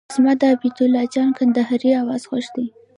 زما د عبید الله جان کندهاري اواز خوښ دی.